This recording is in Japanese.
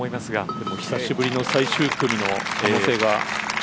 でも久しぶりの最終組の可能性が。